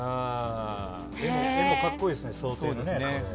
絵も格好いいですね、装丁もね。